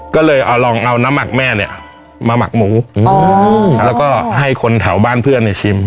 ก็เลยเอาลองเอาน้ำหมักแม่เนี่ยมาหมักหมูแล้วก็ให้คนแถวบ้านเพื่อนเนี่ยชิม